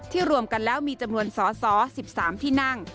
รวมกันแล้วมีจำนวนสอสอ๑๓ที่นั่ง